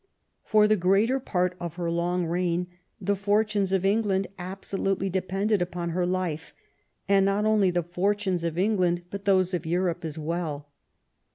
For the greater part of her long reign the fortunes of England absolutely de 9 pended upon her life, and not only the fortunes of England, but those of Europe as well.